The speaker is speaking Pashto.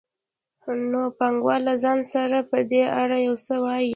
نو پانګوال له ځان سره په دې اړه یو څه وايي